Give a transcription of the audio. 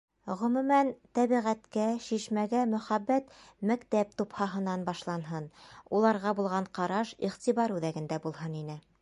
Ғөмүмән, тәбиғәткә, шишмәгә мөхәббәт мәктәп тупһаһынан башланһын, уларға булған ҡараш иғтибар үҙәгендә булһын ине.